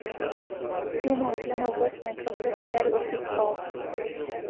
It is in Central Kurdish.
دوو مانگ لەمەوبەر مایکرۆسۆفت کاری ئۆفیسی تەواو کرد